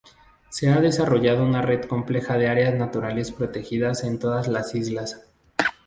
Se ha desarrollado una red compleja de áreas naturales protegidas en todas las islas.